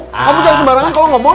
kamu jangan sembarangan kalau ngomong